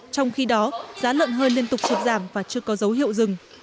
trong khi đó giá lợn hơi liên tục sụt giảm và chưa có dấu hiệu dừng